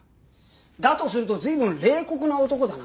だとすると随分冷酷な男だな